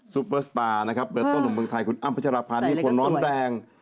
ซูเปอร์สตาร์นะครับเบอร์ต้นของเมืองไทยคุณอ้ามปัชราพาที่ผลร้อนแรง